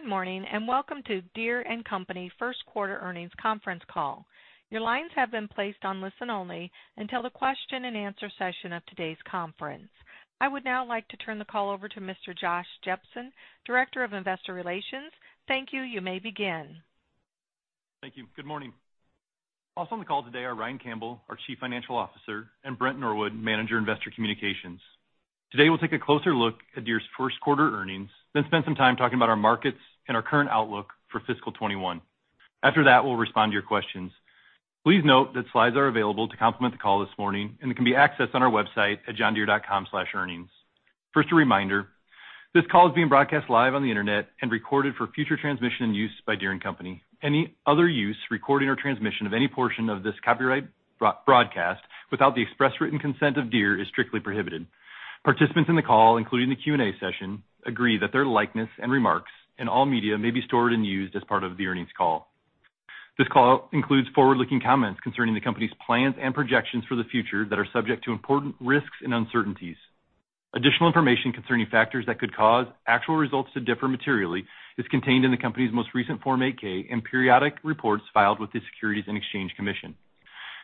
Good morning, welcome to Deere & Company first quarter earnings conference call. Your line has been placed on listen-only until the question-and-answer session of todays conference. I would now like to turn the call over to Mr. Josh Jepsen, Director of Investor Relations. Thank you. You may begin. Thank you. Good morning. Also on the call today are Ryan Campbell, our Chief Financial Officer, and Brent Norwood, Manager, Investor Communications. Today, we'll take a closer look at Deere's first quarter earnings, then spend some time talking about our markets and our current outlook for fiscal 2021. After that, we'll respond to your questions. Please note that slides are available to complement the call this morning and can be accessed on our website at johndeere.com/earnings. First, a reminder, this call is being broadcast live on the internet and recorded for future transmission and use by Deere & Company. Any other use, recording or transmission of any portion of this copyright broadcast without the express written consent of Deere is strictly prohibited. Participants in the call, including the Q&A session, agree that their likeness and remarks in all media may be stored and used as part of the earnings call. This call includes forward-looking comments concerning the company's plans and projections for the future that are subject to important risks and uncertainties. Additional information concerning factors that could cause actual results to differ materially is contained in the company's most recent Form 8-K and periodic reports filed with the Securities and Exchange Commission.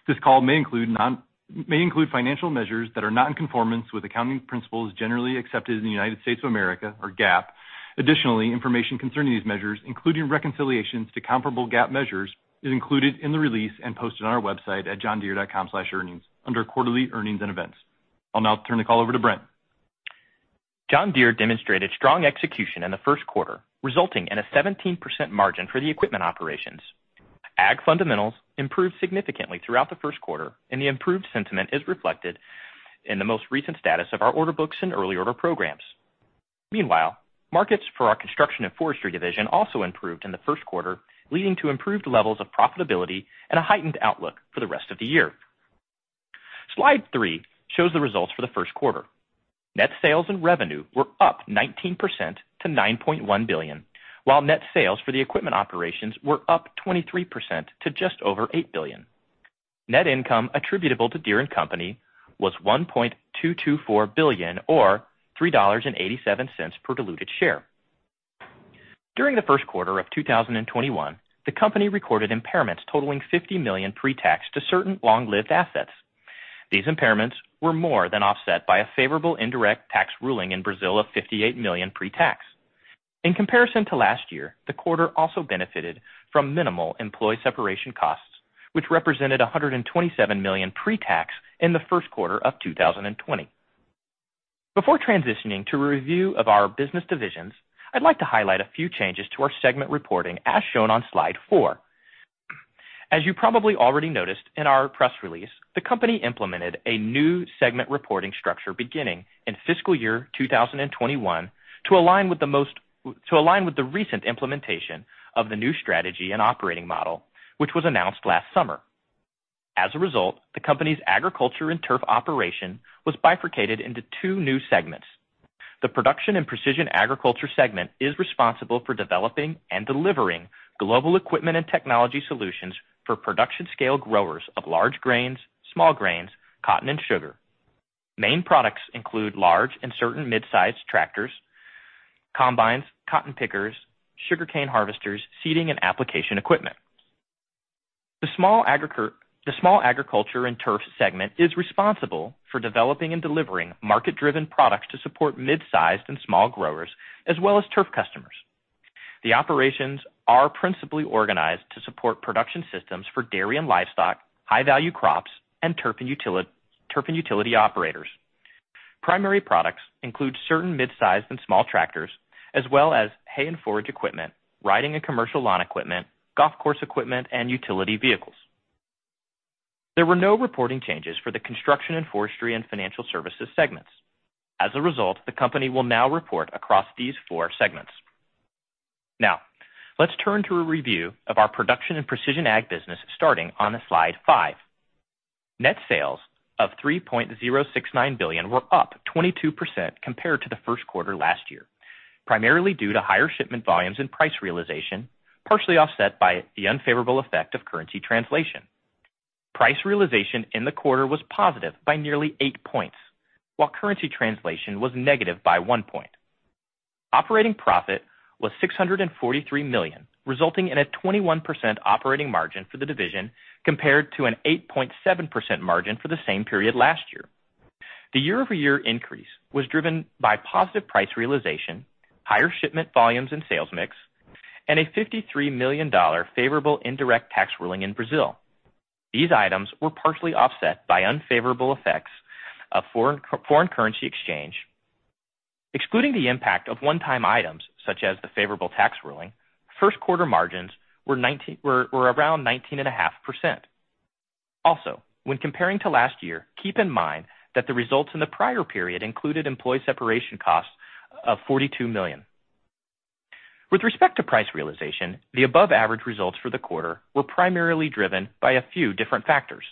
This call may include financial measures that are not in conformance with accounting principles generally accepted in the United States of America, or GAAP. Additionally, information concerning these measures, including reconciliations to comparable GAAP measures, is included in the release and posted on our website at johndeere.com/earnings under Quarterly Earnings and Events. I'll now turn the call over to Brent. John Deere demonstrated strong execution in the first quarter, resulting in a 17% margin for the equipment operations. Ag fundamentals improved significantly throughout the first quarter, and the improved sentiment is reflected in the most recent status of our order books and early order programs. Meanwhile, markets for our Construction and Forestry also improved in the first quarter, leading to improved levels of profitability and a heightened outlook for the rest of the year. Slide three shows the results for the first quarter. Net sales and revenue were up 19% to $9.1 billion, while net sales for the equipment operations were up 23% to just over $8 billion. Net income attributable to Deere & Company was $1.224 billion, or $3.87 per diluted share. During the first quarter of 2021, the company recorded impairments totaling $50 million pre-tax to certain long-lived assets. These impairments were more than offset by a favorable indirect tax ruling in Brazil of $58 million pre-tax. In comparison to last year, the quarter also benefited from minimal employee separation costs, which represented $127 million pre-tax in the first quarter of 2020. Before transitioning to a review of our business divisions, I'd like to highlight a few changes to our segment reporting as shown on slide four. As you probably already noticed in our press release, the company implemented a new segment reporting structure beginning in fiscal year 2021 to align with the recent implementation of the new strategy and operating model, which was announced last summer. As a result, the company's Agriculture and Turf operation was bifurcated into two new segments. The Production and Precision Agriculture segment is responsible for developing and delivering global equipment and technology solutions for production scale growers of large grains, small grains, cotton, and sugar. Main products include large and certain mid-size tractors, combines, cotton pickers, sugarcane harvesters, seeding, and application equipment. The Small Agriculture and Turf segment is responsible for developing and delivering market-driven products to support mid-sized and small growers, as well as turf customers. The operations are principally organized to support production systems for dairy and livestock, high-value crops, and turf and utility operators. Primary products include certain mid-size and small tractors, as well as hay and forage equipment, riding and commercial lawn equipment, golf course equipment, and utility vehicles. There were no reporting changes for the Construction and Forestry and Financial Services segments. As a result, the company will now report across these four segments. Now, let's turn to a review of our Production and Precision Ag business starting on slide five. Net sales of $3.069 billion were up 22% compared to the first quarter last year, primarily due to higher shipment volumes and price realization, partially offset by the unfavorable effect of currency translation. Price realization in the quarter was positive by nearly eight points, while currency translation was negative by one point. Operating profit was $643 million, resulting in a 21% operating margin for the division, compared to an 8.7% margin for the same period last year. The year-over-year increase was driven by positive price realization, higher shipment volumes and sales mix, and a $53 million favorable indirect tax ruling in Brazil. These items were partially offset by unfavorable effects of foreign currency exchange. Excluding the impact of one-time items, such as the favorable tax ruling, first quarter margins were around 19.5%. When comparing to last year, keep in mind that the results in the prior period included employee separation costs of $42 million. With respect to price realization, the above-average results for the quarter were primarily driven by a few different factors.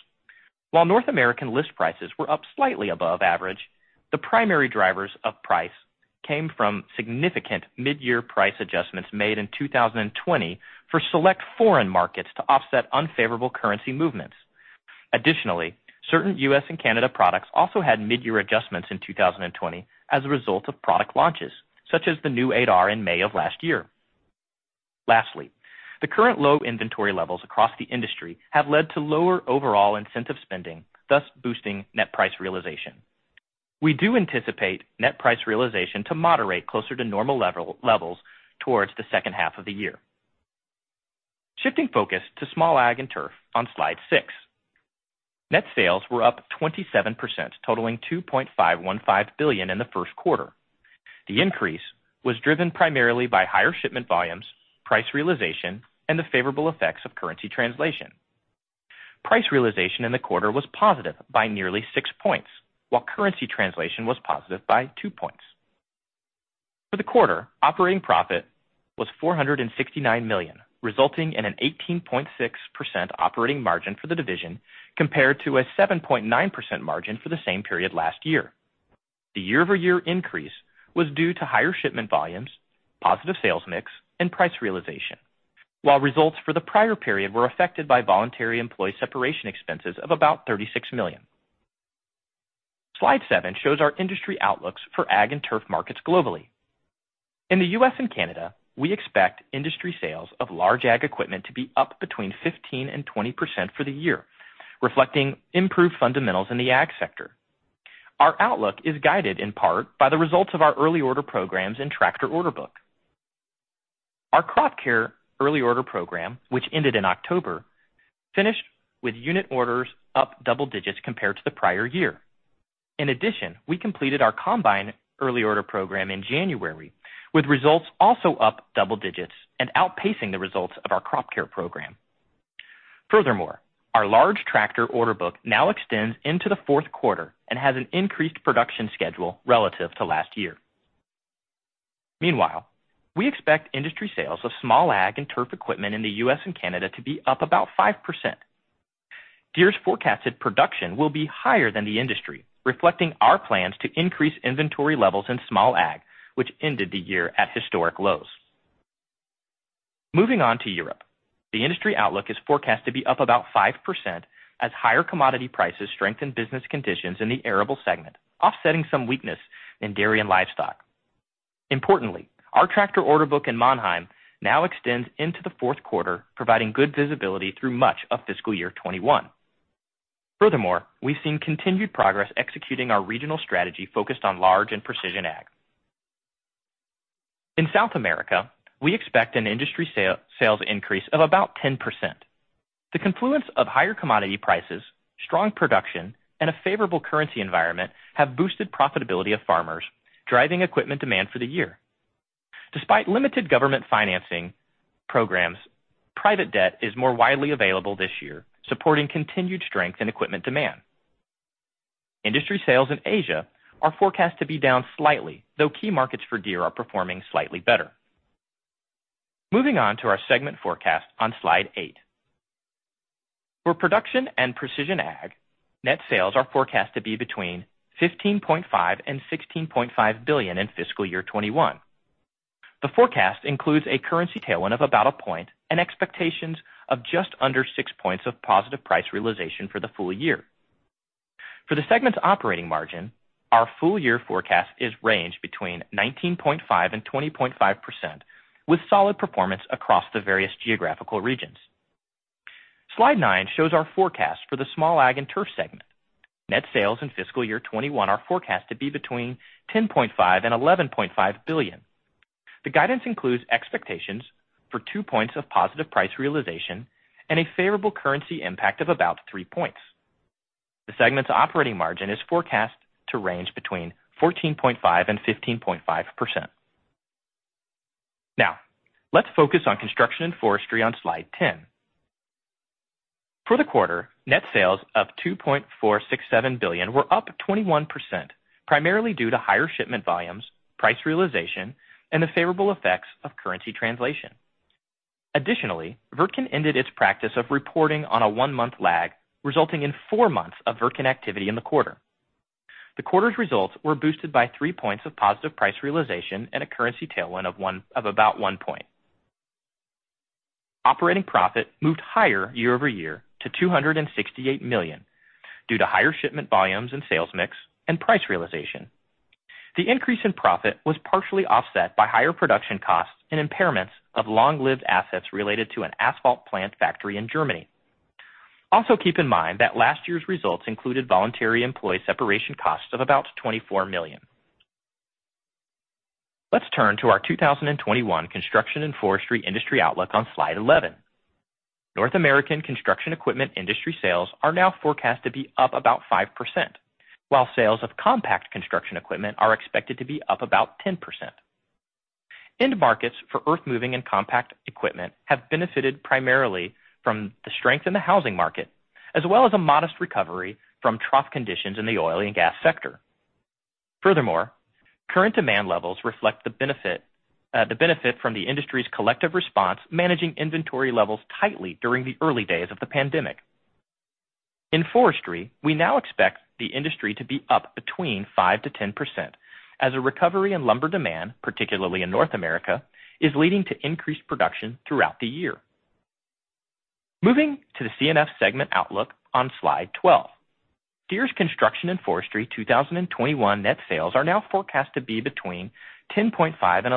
While North American list prices were up slightly above average, the primary drivers of price came from significant mid-year price adjustments made in 2020 for select foreign markets to offset unfavorable currency movements. Additionally, certain U.S. and Canada products also had mid-year adjustments in 2020 as a result of product launches, such as the new 8R in May of last year. The current low inventory levels across the industry have led to lower overall incentive spending, thus boosting net price realization. We do anticipate net price realization to moderate closer to normal levels towards the second half of the year. Shifting focus to Small Ag and Turf on slide six. Net sales were up 27%, totaling $2.515 billion in the first quarter. The increase was driven primarily by higher shipment volumes, price realization, and the favorable effects of currency translation. Price realization in the quarter was positive by nearly six points, while currency translation was positive by two points. For the quarter, operating profit was $469 million, resulting in an 18.6% operating margin for the division, compared to a 7.9% margin for the same period last year. The year-over-year increase was due to higher shipment volumes, positive sales mix, and price realization. While results for the prior period were affected by voluntary employee separation expenses of about $36 million. Slide seven shows our industry outlooks for Ag and Turf markets globally. In the U.S. and Canada, we expect industry sales of large ag equipment to be up between 15% and 20% for the year, reflecting improved fundamentals in the ag sector. Our outlook is guided in part by the results of our early order programs and tractor order book. Our Crop Care early order program, which ended in October, finished with unit orders up double digits compared to the prior year. In addition, we completed our Combine early order program in January, with results also up double digits and outpacing the results of our Crop Care program. Furthermore, our large tractor order book now extends into the fourth quarter and has an increased production schedule relative to last year. Meanwhile, we expect industry sales of small ag and turf equipment in the U.S. and Canada to be up about 5%. Deere's forecasted production will be higher than the industry, reflecting our plans to increase inventory levels in Small Ag, which ended the year at historic lows. Moving on to Europe. The industry outlook is forecast to be up about 5% as higher commodity prices strengthen business conditions in the arable segment, offsetting some weakness in dairy and livestock. Importantly, our tractor order book in Mannheim now extends into the fourth quarter, providing good visibility through much of fiscal year 2021. Furthermore, we've seen continued progress executing our regional strategy focused on Large and Precision Ag. In South America, we expect an industry sales increase of about 10%. The confluence of higher commodity prices, strong production, and a favorable currency environment have boosted profitability of farmers, driving equipment demand for the year. Despite limited government financing programs, private debt is more widely available this year, supporting continued strength in equipment demand. Industry sales in Asia are forecast to be down slightly, though key markets for Deere are performing slightly better. Moving on to our segment forecast on slide eight. For Production and Precision Ag, net sales are forecast to be between $15.5 billion-$16.5 billion in fiscal year 2021. The forecast includes a currency tailwind of about a point and expectations of just under six points of positive price realization for the full year. For the segment's operating margin, our full-year forecast is ranged between 19.5%-20.5%, with solid performance across the various geographical regions. Slide nine shows our forecast for the Small Ag and Turf segment. Net sales in fiscal year 2021 are forecast to be between $10.5 billion-$11.5 billion. The guidance includes expectations for two points of positive price realization and a favorable currency impact of about three points. The segment's operating margin is forecast to range between 14.5% and 15.5%. Now, let's focus on Construction and Forestry on slide 10. For the quarter, net sales of $2.467 billion were up 21%, primarily due to higher shipment volumes, price realization, and the favorable effects of currency translation. Additionally, Wirtgen ended its practice of reporting on a one-month lag, resulting in four months of Wirtgen activity in the quarter. The quarter's results were boosted by three points of positive price realization and a currency tailwind of about one point. Operating profit moved higher year-over-year to $268 million due to higher shipment volumes in sales mix and price realization. The increase in profit was partially offset by higher production costs and impairments of long-lived assets related to an asphalt plant factory in Germany. Also, keep in mind that last year's results included voluntary employee separation costs of about $24 million. Let's turn to our 2021 Construction and Forestry industry outlook on slide 11. North American construction equipment industry sales are now forecast to be up about 5%, while sales of compact construction equipment are expected to be up about 10%. End markets for earth-moving and compact equipment have benefited primarily from the strength in the housing market as well as a modest recovery from trough conditions in the oil and gas sector. Current demand levels reflect the benefit from the industry's collective response managing inventory levels tightly during the early days of the pandemic. In forestry, we now expect the industry to be up between 5%-10% as a recovery in lumber demand, particularly in North America, is leading to increased production throughout the year. Moving to the C&F segment outlook on slide 12. Deere's Construction and Forestry 2021 net sales are now forecast to be between $10.5 billion and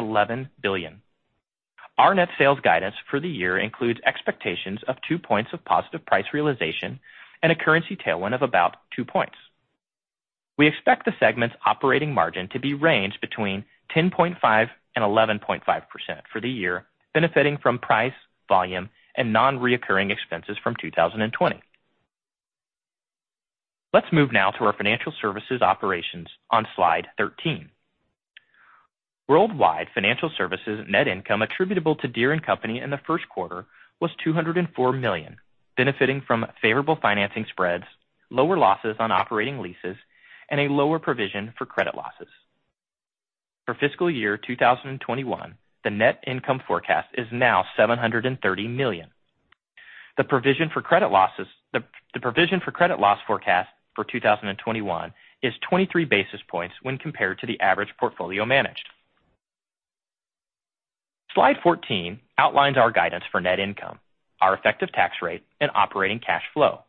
$11 billion. Our net sales guidance for the year includes expectations of 2 points of positive price realization and a currency tailwind of about 2 points. We expect the segment's operating margin to be ranged between 10.5%-11.5% for the year, benefiting from price, volume, and non-reoccurring expenses from 2020. Let's move now to our Financial Services operations on slide 13. Worldwide Financial Services net income attributable to Deere & Company in the first quarter was $204 million, benefiting from favorable financing spreads, lower losses on operating leases, and a lower provision for credit losses. For fiscal year 2021, the net income forecast is now $730 million. The provision for credit loss forecast for 2021 is 23 basis points when compared to the average portfolio managed. Slide 14 outlines our guidance for net income, our effective tax rate, and operating cash flow.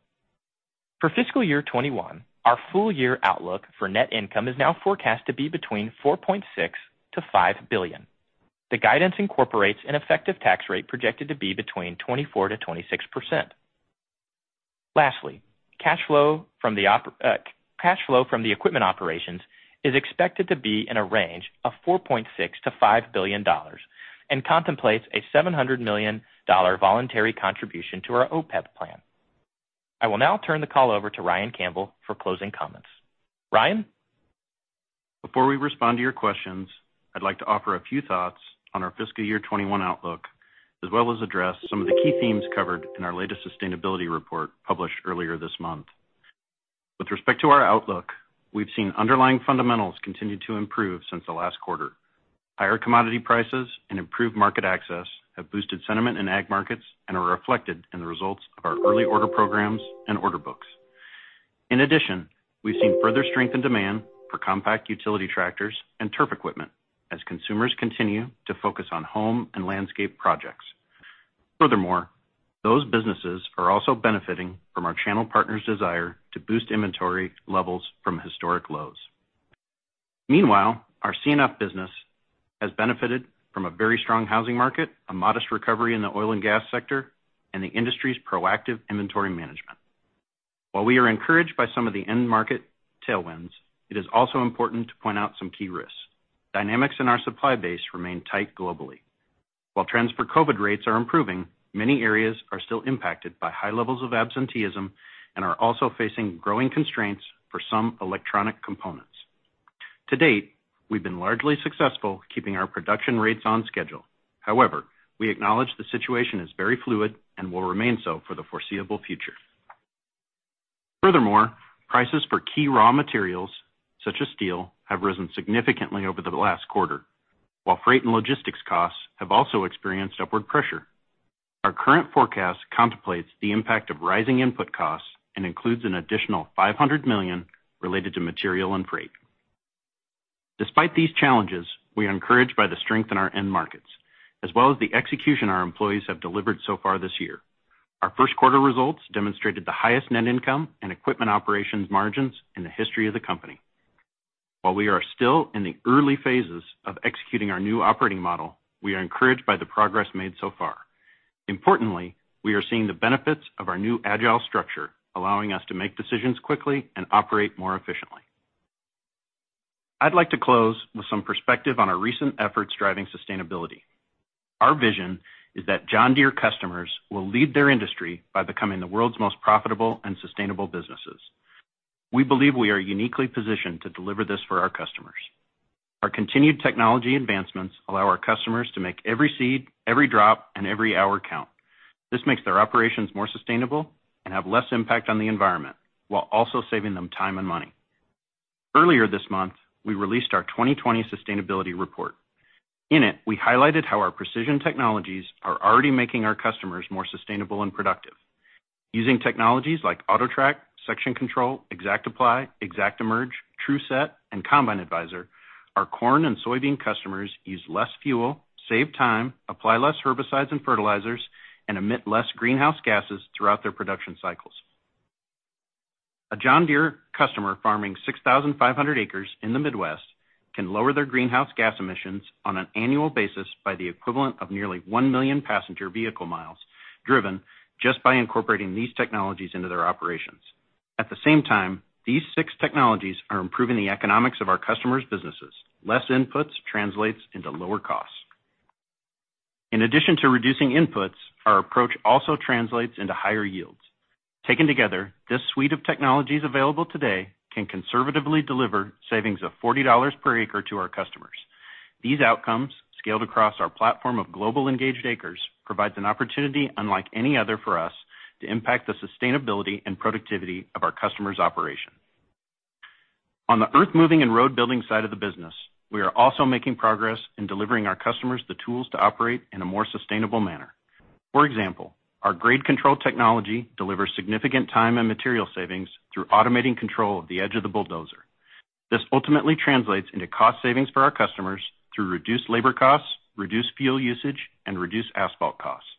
For fiscal year 2021, our full-year outlook for net income is now forecast to be between $4.6 billion-$5 billion. The guidance incorporates an effective tax rate projected to be between 24%-26%. Lastly, cash flow from the equipment operations is expected to be in a range of $4.6 billion-$5 billion and contemplates a $700 million voluntary contribution to our OPEB plan. I will now turn the call over to Ryan Campbell for closing comments. Ryan? Before we respond to your questions, I'd like to offer a few thoughts on our fiscal year 2021 outlook, as well as address some of the key themes covered in our latest sustainability report published earlier this month. With respect to our outlook, we've seen underlying fundamentals continue to improve since the last quarter. Higher commodity prices and improved market access have boosted sentiment in Ag markets and are reflected in the results of our early order programs and order books. In addition, we've seen further strength and demand for compact utility tractors and turf equipment as consumers continue to focus on home and landscape projects. Furthermore, those businesses are also benefiting from our channel partners' desire to boost inventory levels from historic lows. Meanwhile, our C&F business has benefited from a very strong housing market, a modest recovery in the oil and gas sector, and the industry's proactive inventory management. While we are encouraged by some of the end market tailwinds, it is also important to point out some key risks. Dynamics in our supply base remain tight globally. While trends for COVID rates are improving, many areas are still impacted by high levels of absenteeism and are also facing growing constraints for some electronic components. To date, we've been largely successful keeping our production rates on schedule. However, we acknowledge the situation is very fluid and will remain so for the foreseeable future. Furthermore, prices for key raw materials such as steel have risen significantly over the last quarter, while freight and logistics costs have also experienced upward pressure. Our current forecast contemplates the impact of rising input costs and includes an additional $500 million related to material and freight. Despite these challenges, we are encouraged by the strength in our end markets, as well as the execution our employees have delivered so far this year. Our first quarter results demonstrated the highest net income and equipment operations margins in the history of the company. While we are still in the early phases of executing our new operating model, we are encouraged by the progress made so far. Importantly, we are seeing the benefits of our new agile structure, allowing us to make decisions quickly and operate more efficiently. I'd like to close with some perspective on our recent efforts driving sustainability. Our vision is that John Deere customers will lead their industry by becoming the world's most profitable and sustainable businesses. We believe we are uniquely positioned to deliver this for our customers. Our continued technology advancements allow our customers to make every seed, every drop, and every hour count. This makes their operations more sustainable and have less impact on the environment, while also saving them time and money. Earlier this month, we released our 2020 sustainability report. In it, we highlighted how our precision technologies are already making our customers more sustainable and productive. Using technologies like AutoTrac, Section Control, ExactApply, ExactEmerge, TruSet, and Combine Advisor, our corn and soybean customers use less fuel, save time, apply less herbicides and fertilizers, and emit less greenhouse gases throughout their production cycles. A John Deere customer farming 6,500 acres in the Midwest can lower their greenhouse gas emissions on an annual basis by the equivalent of nearly 1 million passenger vehicle miles driven just by incorporating these technologies into their operations. At the same time, these six technologies are improving the economics of our customers' businesses. Less inputs translates into lower costs. In addition to reducing inputs, our approach also translates into higher yields. Taken together, this suite of technologies available today can conservatively deliver savings of $40 per acre to our customers. These outcomes, scaled across our platform of global engaged acres, provides an opportunity unlike any other for us to impact the sustainability and productivity of our customers' operations. On the earth-moving and road-building side of the business, we are also making progress in delivering our customers the tools to operate in a more sustainable manner. For example, our grade control technology delivers significant time and material savings through automating control of the edge of the bulldozer. This ultimately translates into cost savings for our customers through reduced labor costs, reduced fuel usage, and reduced asphalt costs.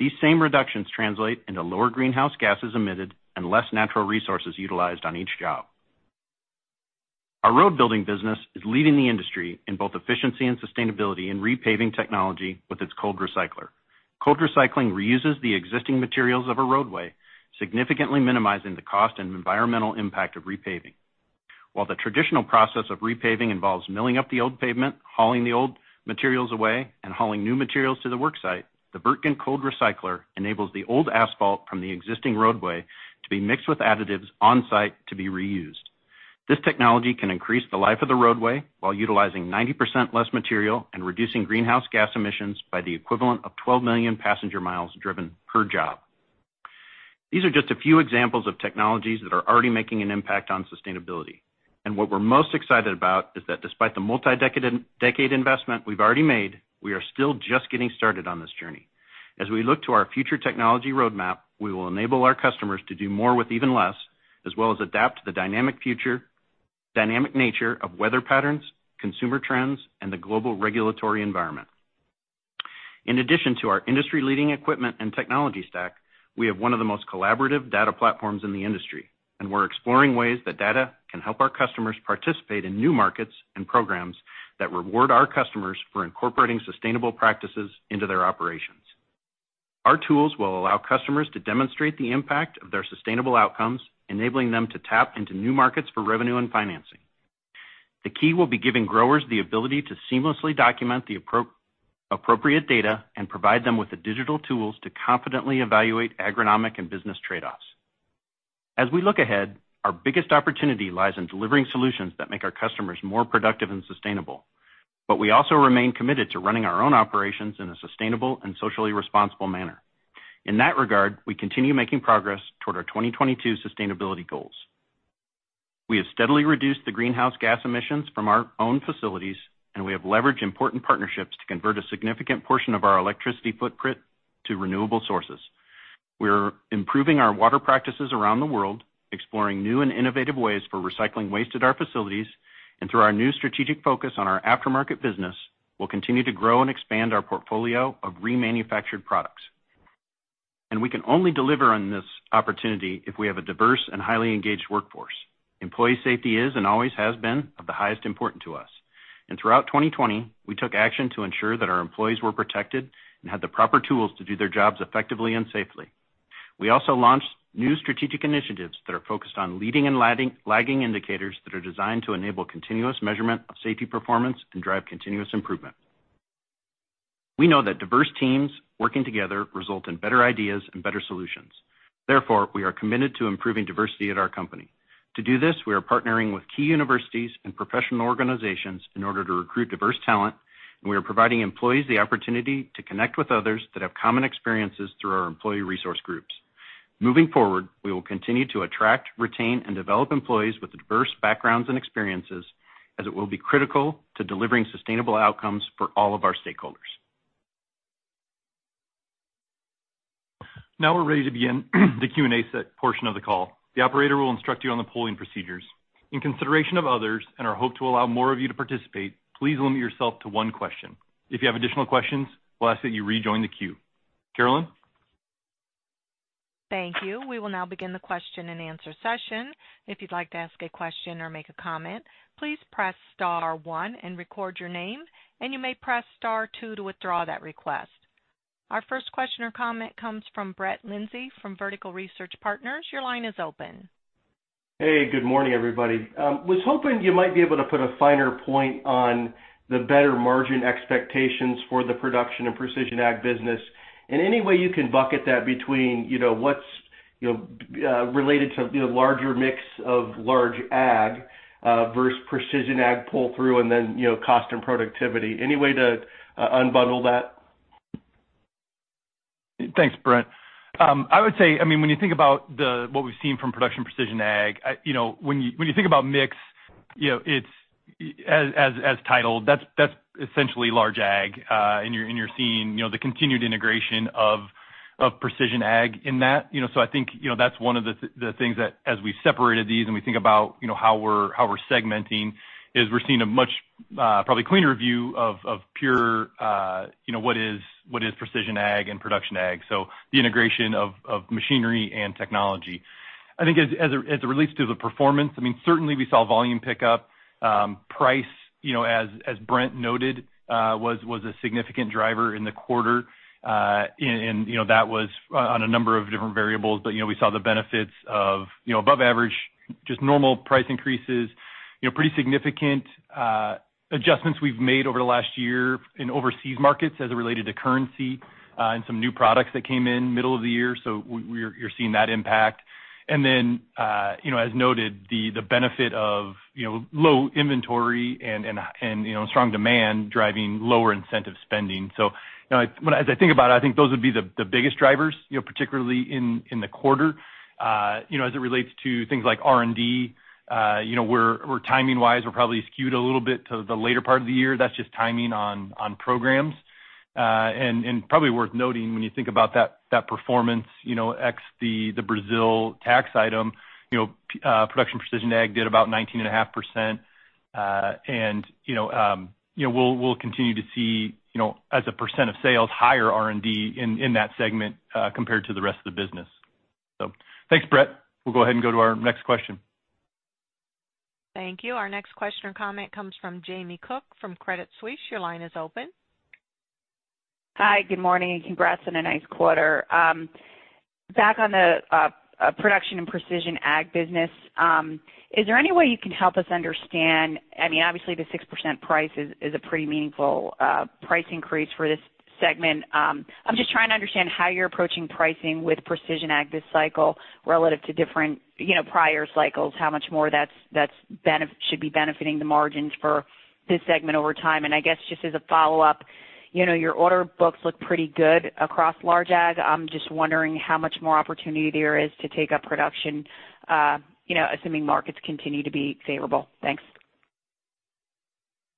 These same reductions translate into lower greenhouse gases emitted and less natural resources utilized on each job. Our road building business is leading the industry in both efficiency and sustainability in repaving technology with its cold recycler. Cold recycling reuses the existing materials of a roadway, significantly minimizing the cost and environmental impact of repaving. While the traditional process of repaving involves milling up the old pavement, hauling the old materials away, and hauling new materials to the work site, the Wirtgen cold recycler enables the old asphalt from the existing roadway to be mixed with additives on-site to be reused. This technology can increase the life of the roadway while utilizing 90% less material and reducing greenhouse gas emissions by the equivalent of 12 million passenger miles driven per job. These are just a few examples of technologies that are already making an impact on sustainability. What we're most excited about is that despite the multi-decade investment we've already made, we are still just getting started on this journey. As we look to our future technology roadmap, we will enable our customers to do more with even less, as well as adapt to the dynamic nature of weather patterns, consumer trends, and the global regulatory environment. In addition to our industry-leading equipment and technology stack, we have one of the most collaborative data platforms in the industry. We're exploring ways that data can help our customers participate in new markets and programs that reward our customers for incorporating sustainable practices into their operations. Our tools will allow customers to demonstrate the impact of their sustainable outcomes, enabling them to tap into new markets for revenue and financing. The key will be giving growers the ability to seamlessly document the appropriate data and provide them with the digital tools to confidently evaluate agronomic and business trade-offs. As we look ahead, our biggest opportunity lies in delivering solutions that make our customers more productive and sustainable. We also remain committed to running our own operations in a sustainable and socially responsible manner. In that regard, we continue making progress toward our 2022 sustainability goals. We have steadily reduced the greenhouse gas emissions from our own facilities, and we have leveraged important partnerships to convert a significant portion of our electricity footprint to renewable sources. We're improving our water practices around the world, exploring new and innovative ways for recycling waste at our facilities, and through our new strategic focus on our aftermarket business, we'll continue to grow and expand our portfolio of remanufactured products. We can only deliver on this opportunity if we have a diverse and highly engaged workforce. Employee safety is and always has been of the highest importance to us. Throughout 2020, we took action to ensure that our employees were protected and had the proper tools to do their jobs effectively and safely. We also launched new strategic initiatives that are focused on leading and lagging indicators that are designed to enable continuous measurement of safety performance and drive continuous improvement. We know that diverse teams working together result in better ideas and better solutions. Therefore, we are committed to improving diversity at our company. To do this, we are partnering with key universities and professional organizations in order to recruit diverse talent, and we are providing employees the opportunity to connect with others that have common experiences through our employee resource groups. Moving forward, we will continue to attract, retain, and develop employees with diverse backgrounds and experiences as it will be critical to delivering sustainable outcomes for all of our stakeholders. Now we're ready to begin the Q&A portion of the call. The operator will instruct you on the polling procedures. In consideration of others and our hope to allow more of you to participate, please limit yourself to one question. If you have additional questions, we'll ask that you rejoin the queue. Carolyn? Thank you. We will now begin the question-and-answer session. If you'd like to ask a question or make a comment, please press star one and record your name. You may press star two to withdraw that request. Our first question or comment comes from Brett Linzey from Vertical Research Partners. Your line is open. Hey, good morning, everybody. Was hoping you might be able to put a finer point on the better margin expectations for the Production and Precision Ag business, in any way you can bucket that between what's related to larger mix of large ag versus precision ag pull-through and then cost and productivity. Any way to unbundle that? Thanks, Brett. I would say, when you think about what we've seen from Production Precision Ag, when you think about mix, as titled, that's essentially large Ag, and you're seeing the continued integration of Precision Ag in that. I think that's one of the things that as we separated these and we think about how we're segmenting is we're seeing a much probably cleaner view of pure what is Precision Ag and Production Ag. The integration of machinery and technology. I think as it relates to the performance, certainly we saw volume pickup. Price, as Brett noted, was a significant driver in the quarter. That was on a number of different variables, but we saw the benefits of above average, just normal price increases, pretty significant adjustments we've made over the last year in overseas markets as it related to currency and some new products that came in middle of the year. You're seeing that impact. As noted, the benefit of low inventory and strong demand driving lower incentive spending. As I think about it, I think those would be the biggest drivers, particularly in the quarter. As it relates to things like R&D, timing-wise, we're probably skewed a little bit to the later part of the year. That's just timing on programs. Probably worth noting when you think about that performance ex the Brazil tax item, Production and Precision Ag did about 19.5%. We'll continue to see as a percent of sales, higher R&D in that segment compared to the rest of the business. Thanks, Brett. We'll go ahead and go to our next question. Thank you. Our next question or comment comes from Jamie Cook from Credit Suisse. Your line is open. Hi, good morning, and congrats on a nice quarter. Back on the Production and Precision Ag business, is there any way you can help us understand, I mean, obviously the 6% price is a pretty meaningful price increase for this segment. I'm just trying to understand how you're approaching pricing with Precision Ag this cycle relative to different prior cycles, how much more that should be benefiting the margins for this segment over time. I guess just as a follow-up, your order books look pretty good across Large Ag. I'm just wondering how much more opportunity there is to take up production, assuming markets continue to be favorable. Thanks.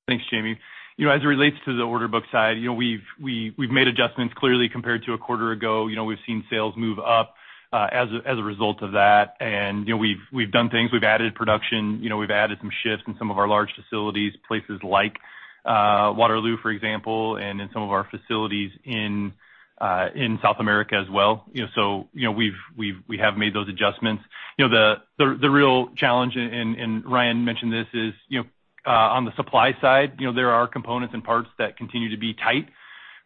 Thanks, Jamie. As it relates to the order book side, we've made adjustments clearly compared to a quarter ago. We've seen sales move up as a result of that. We've done things. We've added production, we've added some shifts in some of our large facilities, places like Waterloo, for example, and in some of our facilities in South America as well. We have made those adjustments. The real challenge, and Ryan mentioned this, is on the supply side, there are components and parts that continue to be tight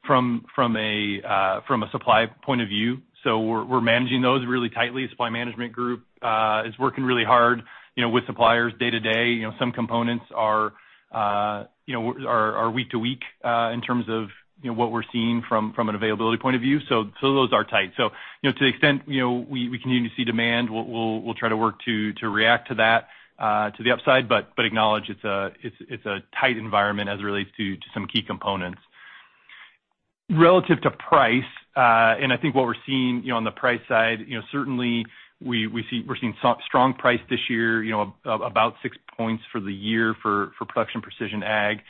from a supply point of view. We're managing those really tightly. Supply management group is working really hard with suppliers day to day. Some components are week to week in terms of what we're seeing from an availability point of view. Those are tight. To the extent we continue to see demand, we'll try to work to react to that to the upside, but acknowledge it's a tight environment as it relates to some key components. Relative to price, and I think what we're seeing on the price side, certainly we're seeing strong price this year, about six points for the year for Production and Precision Agriculture.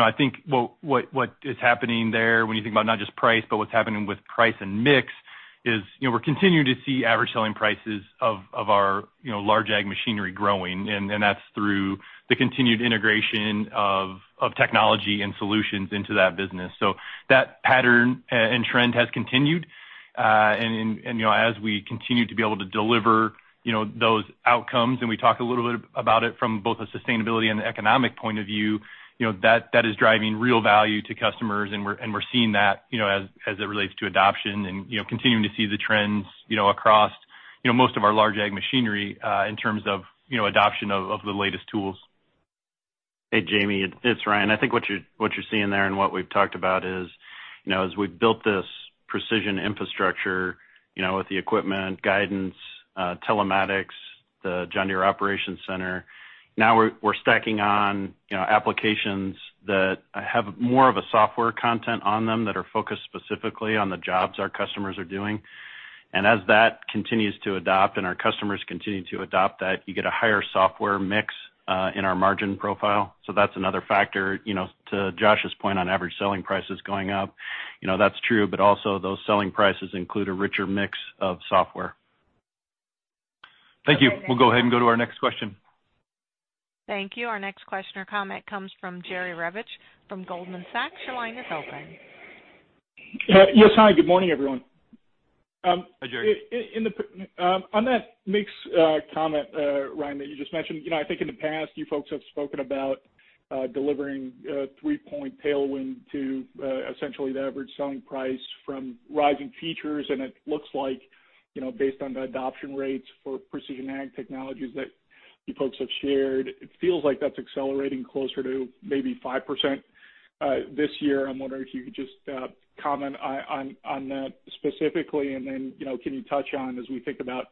I think what is happening there when you think about not just price, but what's happening with price and mix is we're continuing to see average selling prices of our Large Ag machinery growing, and that's through the continued integration of technology and solutions into that business. That pattern and trend has continued. As we continue to be able to deliver those outcomes, and we talked a little bit about it from both a sustainability and economic point of view, that is driving real value to customers, and we're seeing that as it relates to adoption and continuing to see the trends across most of our Large Ag machinery in terms of adoption of the latest tools. Hey, Jamie, it's Ryan. I think what you're seeing there and what we've talked about is, as we've built this precision infrastructure with the equipment, guidance, telematics, the John Deere Operations Center, now we're stacking on applications that have more of a software content on them that are focused specifically on the jobs our customers are doing. As that continues to adopt and our customers continue to adopt that, you get a higher software mix in our margin profile. That's another factor to Josh's point on average selling prices going up. That's true, but also those selling prices include a richer mix of software. Thank you. We'll go ahead and go to our next question. Thank you. Our next question or comment comes from Jerry Revich from Goldman Sachs. Your line is open. Yes. Hi, good morning, everyone. Hi, Jerry. On that mix comment, Ryan, that you just mentioned, I think in the past, you folks have spoken about delivering a three-point tailwind to essentially the average selling price from rising features, and it looks like based on the adoption rates for Precision Ag technologies that you folks have shared, it feels like that's accelerating closer to maybe 5% this year. I'm wondering if you could just comment on that specifically, and then can you touch on, as we think about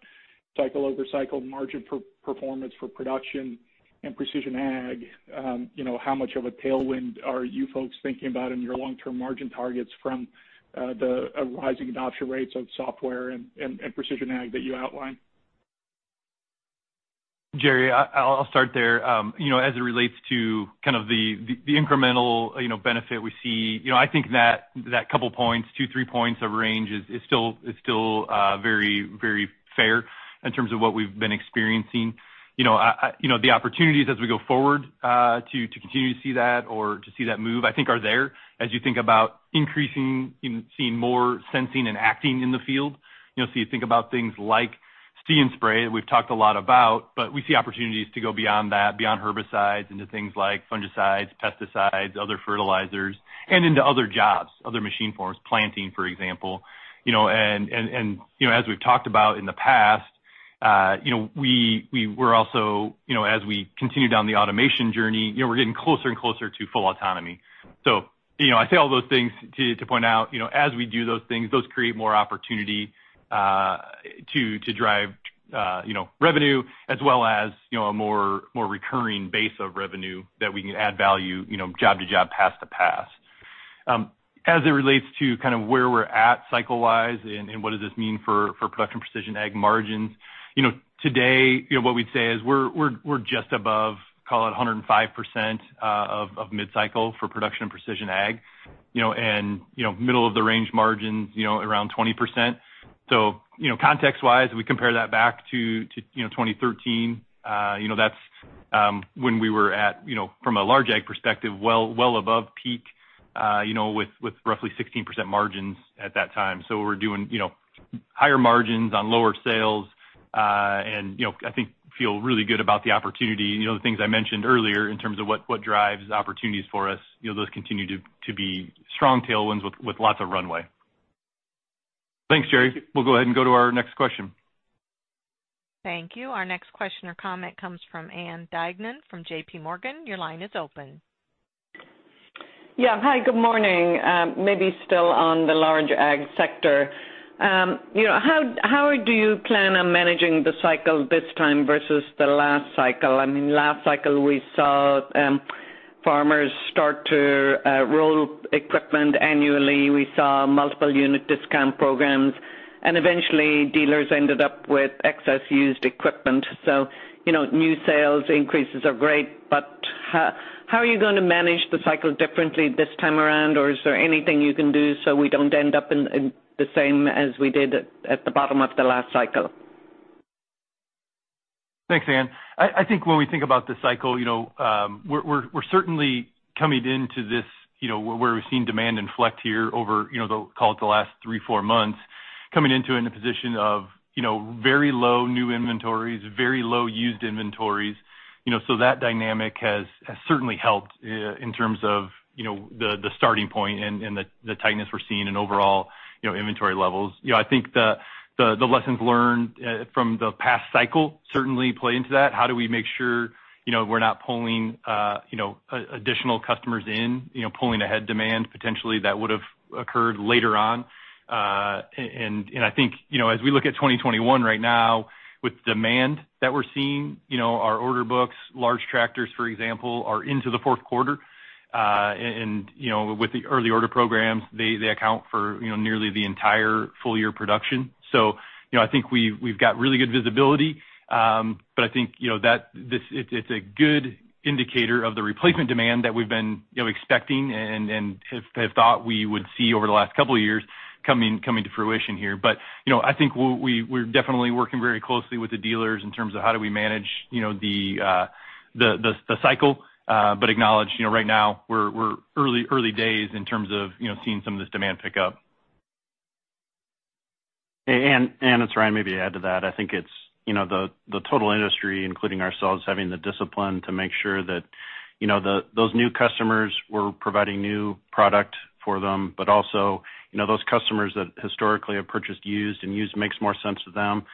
cycle over cycle margin performance for Production and Precision Ag, how much of a tailwind are you folks thinking about in your long-term margin targets from the rising adoption rates of software and Precision Ag that you outlined? Jerry, I'll start there. As it relates to kind of the incremental benefit we see, I think that couple points, two, three points of range is still very fair in terms of what we've been experiencing. The opportunities as we go forward to continue to see that or to see that move, I think are there as you think about increasing and seeing more sensing and acting in the field. You think about things like See & Spray that we've talked a lot about, but we see opportunities to go beyond that, beyond herbicides into things like fungicides, pesticides, other fertilizers, and into other jobs, other machine forms, planting, for example. As we've talked about in the past, as we continue down the automation journey, we're getting closer and closer to full autonomy. I say all those things to point out as we do those things, those create more opportunity to drive revenue as well as a more recurring base of revenue that we can add value job to job, pass to pass. As it relates to kind of where we're at cycle-wise and what does this mean for Production and Precision Ag margins, today what we'd say is we're just above, call it 105% of mid-cycle for Production Precision Ag. Middle of the range margins around 20%. Context-wise, we compare that back to 2013. That's when we were at, from a large ag perspective, well above peak with roughly 16% margins at that time. We're doing higher margins on lower sales. I think feel really good about the opportunity. The things I mentioned earlier in terms of what drives opportunities for us, those continue to be strong tailwinds with lots of runway. Thanks, Jerry. We'll go ahead and go to our next question. Thank you. Our next question or comment comes from Ann Duignan from JPMorgan. Your line is open. Yeah. Hi, good morning. Maybe still on the large Ag sector. How do you plan on managing the cycle this time versus the last cycle? I mean, last cycle we saw farmers start to roll equipment annually. We saw multiple unit discount programs, and eventually dealers ended up with excess used equipment. New sales increases are great, but how are you going to manage the cycle differently this time around? Is there anything you can do so we don't end up in the same as we did at the bottom of the last cycle? Thanks, Ann. I think when we think about the cycle, we're certainly coming into this where we've seen demand inflect here over, call it the last three, four months, coming into it in a position of very low new inventories, very low used inventories. That dynamic has certainly helped in terms of the starting point and the tightness we're seeing in overall inventory levels. I think the lessons learned from the past cycle certainly play into that. How do we make sure we're not pulling additional customers in, pulling ahead demand potentially that would have occurred later on? I think as we look at 2021 right now with demand that we're seeing, our order books, large tractors, for example, are into the fourth quarter. With the early order programs, they account for nearly the entire full-year production. I think we've got really good visibility. I think it's a good indicator of the replacement demand that we've been expecting and have thought we would see over the last couple of years coming to fruition here. I think we're definitely working very closely with the dealers in terms of how do we manage the cycle. Acknowledge right now we're early days in terms of seeing some of this demand pick up. Ann, it's Ryan. Maybe to add to that. I think it's the total industry, including ourselves, having the discipline to make sure that those new customers we're providing new product for them, but also those customers that historically have purchased used, and used makes more sense to them,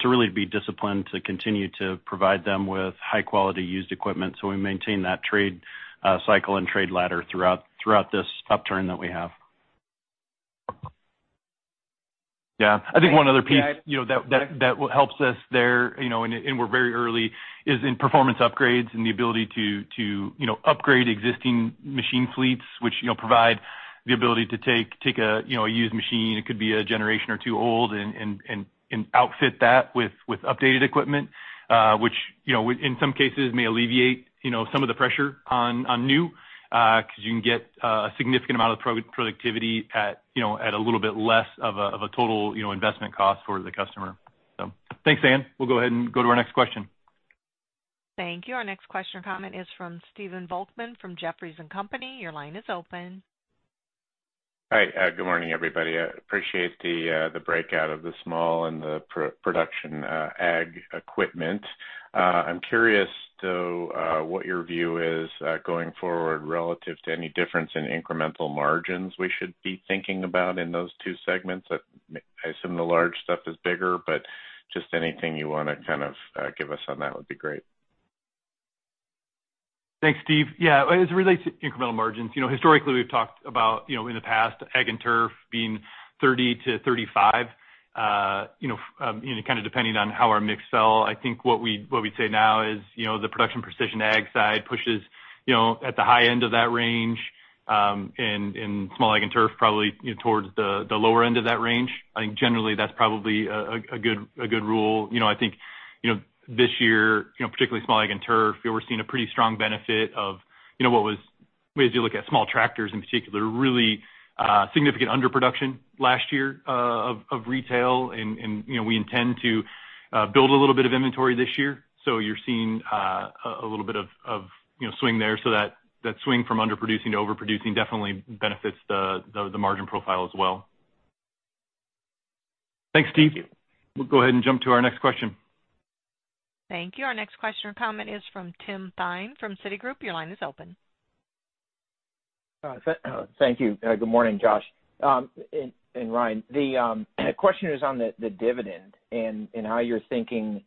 to really be disciplined to continue to provide them with high-quality used equipment so we maintain that trade cycle and trade ladder throughout this upturn that we have. Yeah. I think one other piece that helps us there, and we're very early, is in performance upgrades and the ability to upgrade existing machine fleets, which provide the ability to take a used machine, it could be a generation or two old, and outfit that with updated equipment. Which in some cases may alleviate some of the pressure on new, because you can get a significant amount of productivity at a little bit less of a total investment cost for the customer. Thanks, Ann. We'll go ahead and go to our next question. Thank you. Our next question or comment is from Stephen Volkmann from Jefferies & Company. Your line is open. Hi. Good morning, everybody. Appreciate the breakout of the small and the production ag equipment. I'm curious though what your view is going forward relative to any difference in incremental margins we should be thinking about in those two segments. I assume the large stuff is bigger, but just anything you want to kind of give us on that would be great. Thanks, Steve. As it relates to incremental margins, historically, we've talked about in the past Ag and Turf being 30%-35%, kind of depending on how our mix sell. I think what we'd say now is the Production Precision Ag side pushes at the high end of that range, and Small Ag and Turf probably towards the lower end of that range. I think generally that's probably a good rule. I think this year, particularly Small Ag and Turf, we're seeing a pretty strong benefit of what was, as you look at small tractors in particular, really significant underproduction last year of retail. We intend to build a little bit of inventory this year. You're seeing a little bit of swing there. That swing from underproducing to overproducing definitely benefits the margin profile as well. Thanks, Steve. We'll go ahead and jump to our next question. Thank you. Our next question or comment is from Tim Thein from Citigroup. Your line is open. Thank you. Good morning, Josh and Ryan. The question is on the dividend and how you're thinking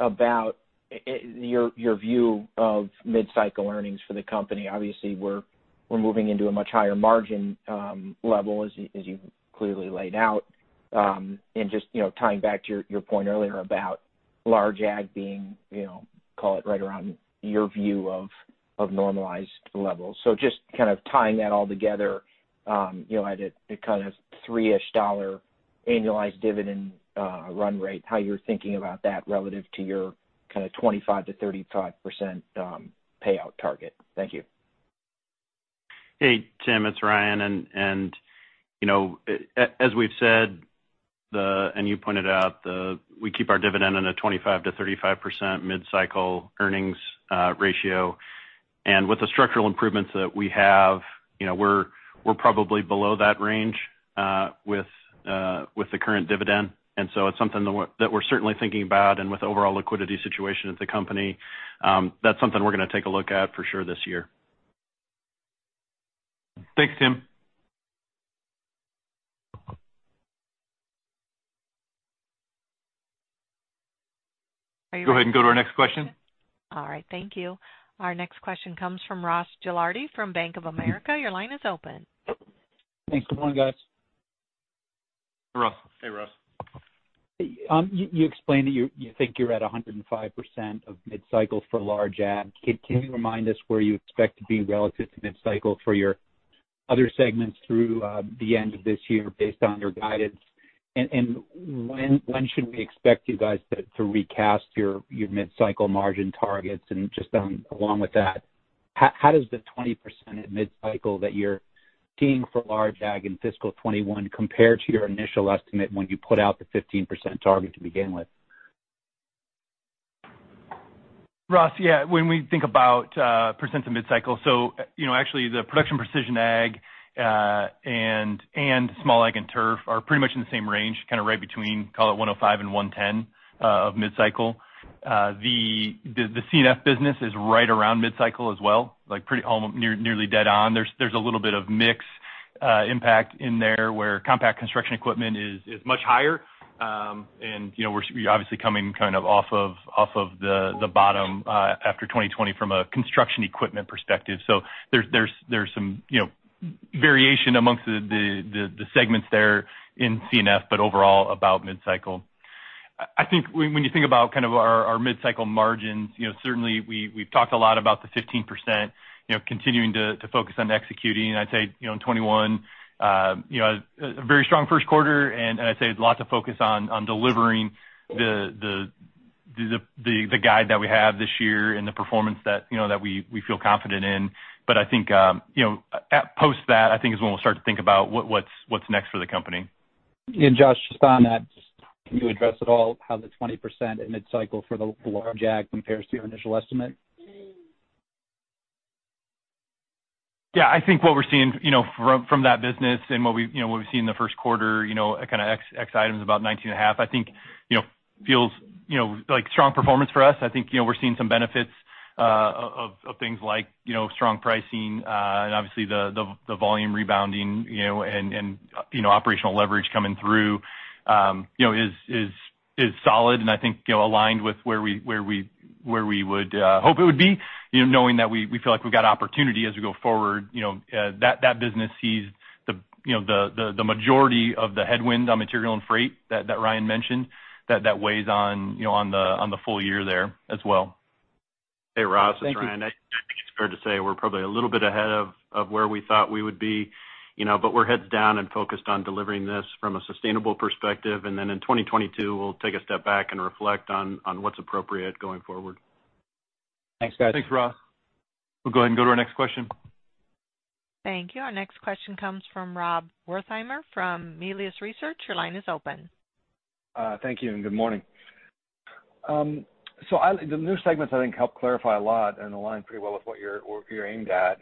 about your view of mid-cycle earnings for the company. Obviously, we're moving into a much higher margin level as you clearly laid out. Just tying back to your point earlier about large Ag being, call it right around your view of normalized levels. Just kind of tying that all together at a kind of $3-ish annualized dividend run rate, how you're thinking about that relative to your kind of 25%-35% payout target. Thank you. Hey, Tim, it's Ryan. As we've said, and you pointed out, we keep our dividend in a 25%-35% mid-cycle earnings ratio. With the structural improvements that we have, we're probably below that range with the current dividend. It's something that we're certainly thinking about. With overall liquidity situation at the company, that's something we're going to take a look at for sure this year. Thanks, Tim. Go ahead and go to our next question. All right. Thank you. Our next question comes from Ross Gilardi from Bank of America. Your line is open. Thanks. Good morning, guys. Ross. Hey, Ross. You explained that you think you're at 105% of mid-cycle for Large ag. Can you remind us where you expect to be relative to mid-cycle for your other segments through the end of this year based on your guidance? When should we expect you guys to recast your mid-cycle margin targets? Just along with that, how does the 20% at mid-cycle that you're seeing for large ag in fiscal 2021 compare to your initial estimate when you put out the 15% target to begin with? Ross, yeah. When we think about percents of mid-cycle, actually the Production and Precision Ag and Small Ag and Turf are pretty much in the same range, kind of right between, call it 105 and 110 of mid-cycle. The C&F business is right around mid-cycle as well, nearly dead on. There's a little bit of mix impact in there where compact construction equipment is much higher. We're obviously coming kind of off of the bottom after 2020 from a construction equipment perspective. There's some variation amongst the segments there in C&F, but overall about mid-cycle. I think when you think about kind of our mid-cycle margins, certainly we've talked a lot about the 15%, continuing to focus on executing. I'd say, in 2021, a very strong first quarter and I'd say lots of focus on delivering the guide that we have this year and the performance that we feel confident in. I think post that, I think is when we'll start to think about what's next for the company. Josh, just on that, can you address at all how the 20% in mid-cycle for the large ag compares to your initial estimate? Yeah, I think what we're seeing from that business and what we've seen in the first quarter, kind of ex items about 19.5%, I think feels like strong performance for us. I think we're seeing some benefits of things like strong pricing and obviously the volume rebounding and operational leverage coming through is solid and I think aligned with where we would hope it would be, knowing that we feel like we've got opportunity as we go forward. That business sees the majority of the headwind on material and freight that Ryan mentioned that weighs on the full year there as well. Hey, Ross, it's Ryan. I think it's fair to say we're probably a little bit ahead of where we thought we would be. We're heads down and focused on delivering this from a sustainable perspective. Then in 2022, we'll take a step back and reflect on what's appropriate going forward. Thanks, guys. Thanks, Ross. We'll go ahead and go to our next question. Thank you. Our next question comes from Rob Wertheimer from Melius Research. Your line is open. Thank you and good morning. The new segments I think help clarify a lot and align pretty well with what you're aimed at.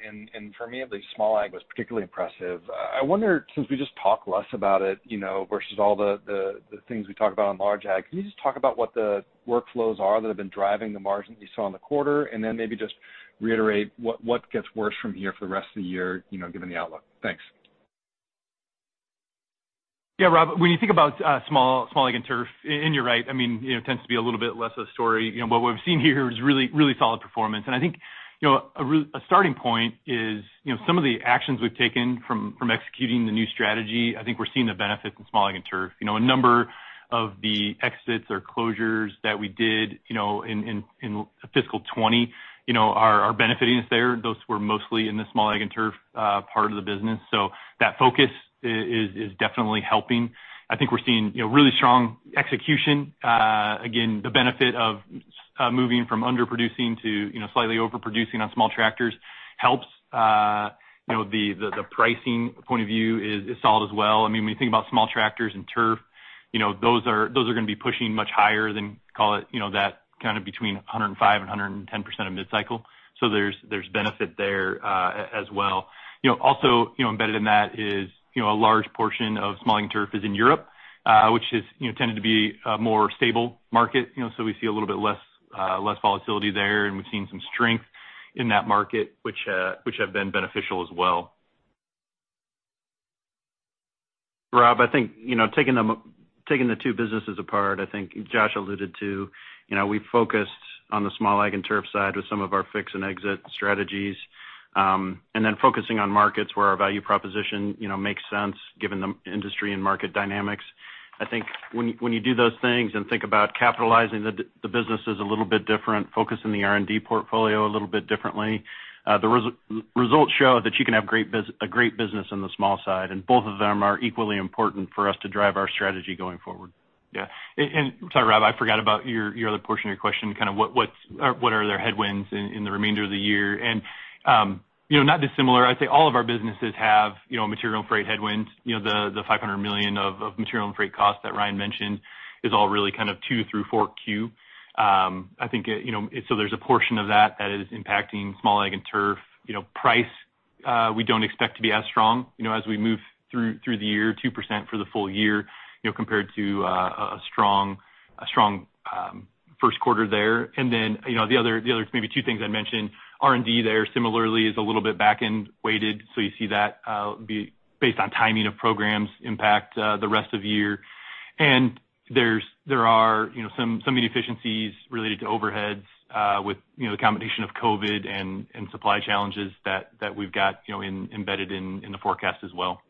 For me, at least, Small Ag was particularly impressive. I wonder, since we just talk less about it versus all the things we talk about on Large Ag, can you just talk about what the workflows are that have been driving the margins you saw in the quarter? Then maybe just reiterate what gets worse from here for the rest of the year given the outlook. Thanks. Yeah, Rob, when you think about Small Ag and Turf, and you're right, it tends to be a little bit less a story. I think a starting point is some of the actions we've taken from executing the new strategy. I think we're seeing the benefits in Small Ag and Turf. A number of the exits or closures that we did in fiscal 2020 are benefiting us there. Those were mostly in the Small Ag and Turf part of the business. That focus is definitely helping. I think we're seeing really strong execution. Again, the benefit of moving from under-producing to slightly over-producing on small tractors helps. The pricing point of view is solid as well. When you think about small tractors and turf, those are going to be pushing much higher than, call it, that kind of between 105%-110% of mid-cycle. There's benefit there as well. Also embedded in that is a large portion of Small Ag and Turf is in Europe, which has tended to be a more stable market. We see a little bit less volatility there, and we've seen some strength in that market, which have been beneficial as well. Rob, I think taking the two businesses apart, I think Josh alluded to we focused on the Small Ag and Turf side with some of our fix and exit strategies, focusing on markets where our value proposition makes sense given the industry and market dynamics. I think when you do those things and think about capitalizing the businesses a little bit different, focus on the R&D portfolio a little bit differently. The results show that you can have a great business on the small side, both of them are equally important for us to drive our strategy going forward. Sorry, Rob, I forgot about your other portion of your question, what are their headwinds in the remainder of the year? Not dissimilar, I'd say all of our businesses have material and freight headwinds. The $500 million of material and freight costs that Ryan mentioned is all really kind of 2Q through 4Q. There's a portion of that that is impacting Small Ag and Turf. Price we don't expect to be as strong as we move through the year, 2% for the full year, compared to a strong first quarter there. The other maybe two things I'd mention, R&D there similarly is a little bit back-end weighted, so you see that based on timing of programs impact the rest of year. There are some inefficiencies related to overheads with the combination of COVID and supply challenges that we've got embedded in the forecast as well.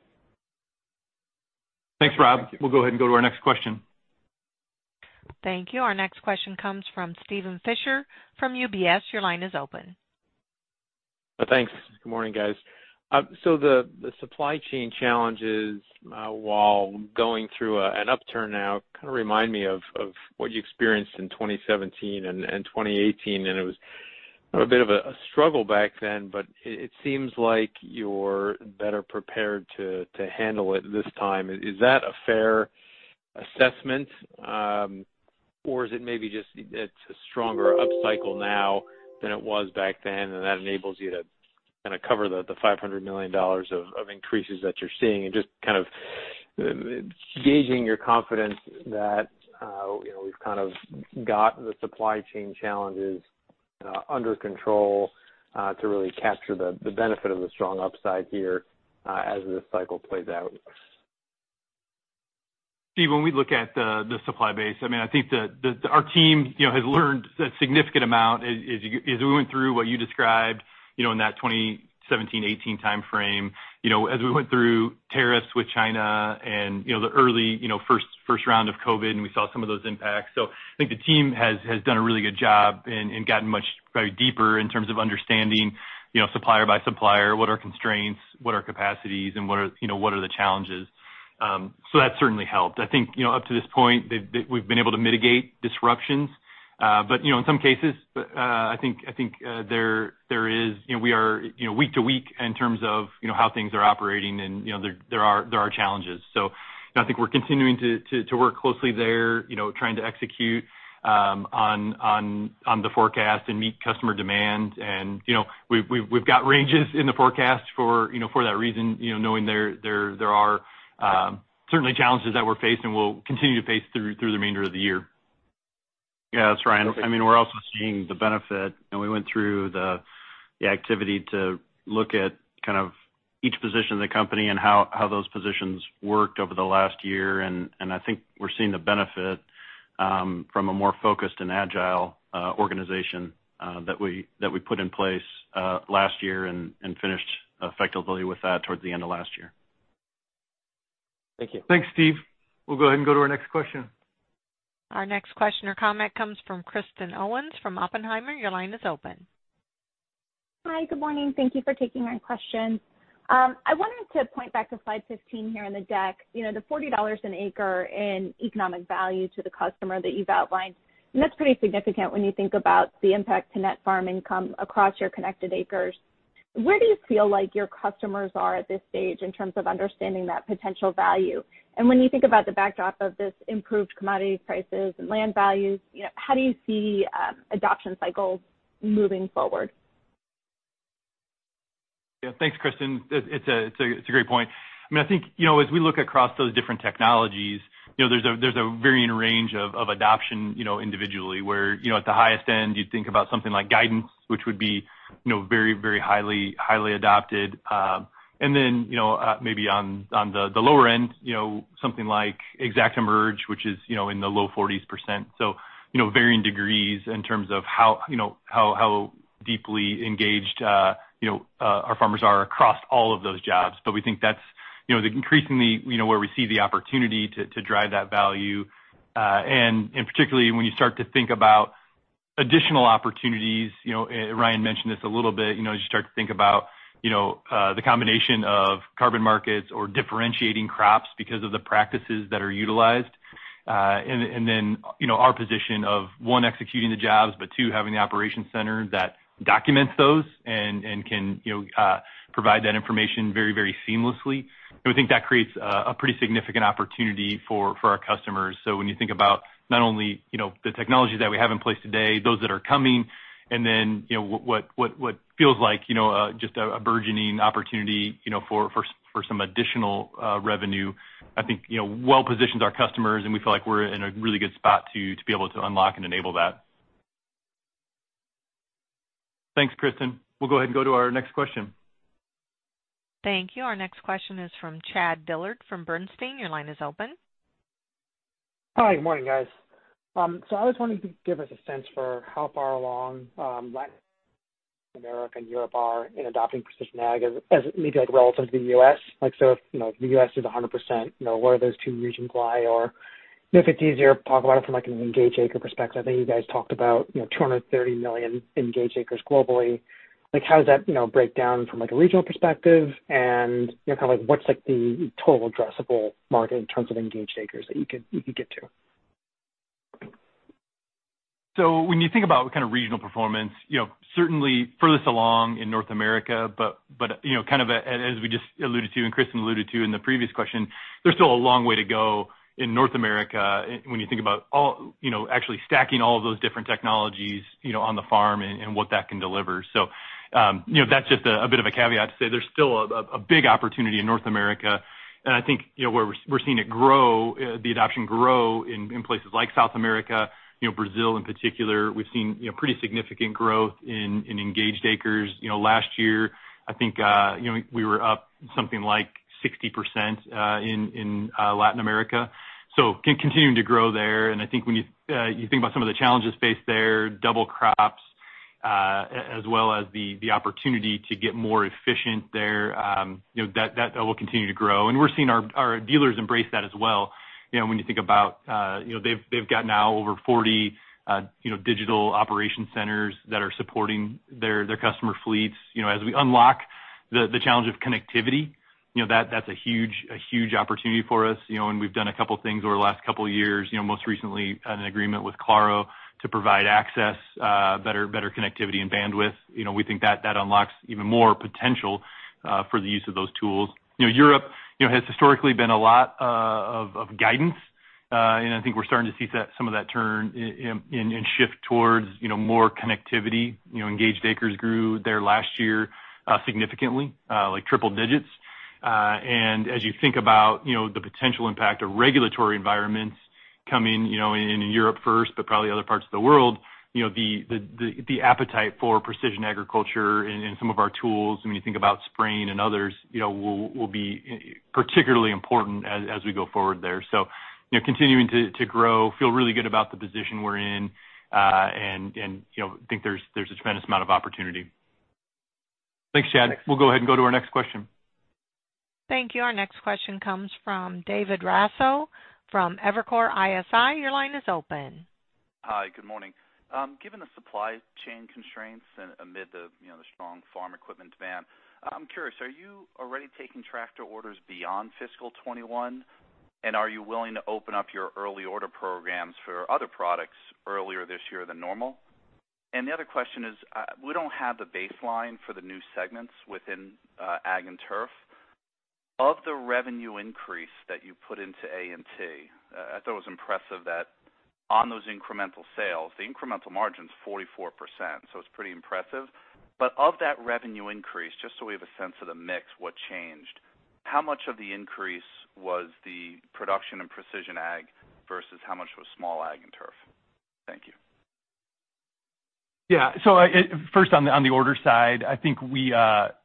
Thanks, Rob. We'll go ahead and go to our next question. Thank you. Our next question comes from Steven Fisher from UBS. Your line is open. Thanks. Good morning, guys. The supply chain challenges, while going through an upturn now, kind of remind me of what you experienced in 2017 and 2018. It was a bit of a struggle back then. It seems like you're better prepared to handle it this time. Is that a fair assessment? Is it maybe just it's a stronger upcycle now than it was back then, and that enables you to kind of cover the $500 million of increases that you're seeing? Just kind of gauging your confidence that we've kind of got the supply chain challenges under control to really capture the benefit of the strong upside here as this cycle plays out. Steve, when we look at the supply base, I think that our team has learned a significant amount as we went through what you described in that 2017-2018 timeframe, as we went through tariffs with China and the early first round of COVID, and we saw some of those impacts. I think the team has done a really good job and gotten much deeper in terms of understanding supplier by supplier, what are constraints, what are capacities, and what are the challenges. That certainly helped. I think up to this point, we've been able to mitigate disruptions. In some cases, I think we are week to week in terms of how things are operating and there are challenges. I think we're continuing to work closely there, trying to execute on the forecast and meet customer demand. We've got ranges in the forecast for that reason, knowing there are certainly challenges that we're facing, we'll continue to face through the remainder of the year. It's Ryan, we're also seeing the benefit, we went through the activity to look at kind of each position of the company and how those positions worked over the last year. I think we're seeing the benefit from a more focused and agile organization that we put in place last year and finished effectively with that towards the end of last year. Thank you. Thanks, Steve. We'll go ahead and go to our next question. Our next question or comment comes from Kristen Owen from Oppenheimer. Your line is open. Hi. Good morning. Thank you for taking my question. I wanted to point back to slide 15 here in the deck. The $40 an acre in economic value to the customer that you've outlined. That's pretty significant when you think about the impact to net farm income across your connected acres. Where do you feel like your customers are at this stage in terms of understanding that potential value? When you think about the backdrop of this improved commodity prices and land values, how do you see adoption cycles moving forward? Yeah. Thanks, Kristen. It's a great point. I think as we look across those different technologies, there's a varying range of adoption individually, where at the highest end, you'd think about something like guidance, which would be very, very highly adopted. Then maybe on the lower end, something like ExactEmerge, which is in the low 40s%. Varying degrees in terms of how deeply engaged our farmers are across all of those jobs. We think that's increasingly where we see the opportunity to drive that value. Particularly when you start to think about additional opportunities, Ryan mentioned this a little bit, as you start to think about the combination of carbon markets or differentiating crops because of the practices that are utilized. Our position of, one, executing the jobs, but two, having the Operations Center that documents those and can provide that information very seamlessly. We think that creates a pretty significant opportunity for our customers. When you think about not only the technologies that we have in place today, those that are coming, and then what feels like just a burgeoning opportunity for some additional revenue, I think well positions our customers, and we feel like we're in a really good spot to be able to unlock and enable that. Thanks, Kristen. We'll go ahead and go to our next question. Thank you. Our next question is from Chad Dillard from Bernstein. Your line is open. Hi. Good morning, guys. I was wondering if you could give us a sense for how far along Latin America and Europe are in adopting precision ag as it may be like relative to the U.S. If the U.S. is 100%, where do those two regions lie? If it's easier, talk about it from like an engaged acres perspective. I think you guys talked about 230 million engaged acres globally. How does that break down from a regional perspective, and what's the total addressable market in terms of engaged acres that you could get to? When you think about regional performance, certainly furthest along in North America, but as we just alluded to, and Kristen alluded to in the previous question, there's still a long way to go in North America when you think about actually stacking all of those different technologies on the farm and what that can deliver. That's just a bit of a caveat to say there's still a big opportunity in North America, and I think where we're seeing the adoption grow in places like South America, Brazil in particular. We've seen pretty significant growth in engaged acres. Last year, I think we were up something like 60% in Latin America. Continuing to grow there, and I think when you think about some of the challenges faced there, double crops, as well as the opportunity to get more efficient there, that will continue to grow. We're seeing our dealers embrace that as well. When you think about they've got now over 40 digital operation centers that are supporting their customer fleets. As we unlock the challenge of connectivity, that's a huge opportunity for us. We've done a couple of things over the last couple of years, most recently an agreement with Claro to provide access, better connectivity and bandwidth. We think that unlocks even more potential for the use of those tools. Europe has historically been a lot of guidance. I think we're starting to see some of that turn and shift towards more connectivity. Engaged acres grew there last year significantly, like triple digits. As you think about the potential impact of regulatory environments coming in Europe first, but probably other parts of the world, the appetite for precision agriculture and some of our tools, when you think about sprayers and others, will be particularly important as we go forward there. Continuing to grow. Feel really good about the position we're in, and think there's a tremendous amount of opportunity. Thanks, Chad. We'll go ahead and go to our next question. Thank you. Our next question comes from David Raso from Evercore ISI. Your line is open. Hi, good morning. Given the supply chain constraints amid the strong farm equipment demand, I'm curious, are you already taking tractor orders beyond fiscal 2021? Are you willing to open up your early order programs for other products earlier this year than normal? The other question is, we don't have the baseline for the new segments within Ag and Turf. Of the revenue increase that you put into A&T, I thought it was impressive that on those incremental sales, the incremental margin's 44%, it's pretty impressive. Of that revenue increase, just so we have a sense of the mix, what changed? How much of the increase was the Production and Precision Agriculture versus how much was Small Agriculture and Turf? Thank you. Yeah. First on the order side, I think we haven't